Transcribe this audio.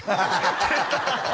ハハハ